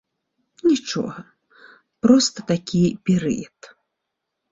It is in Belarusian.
Нічога, проста такі перыяд.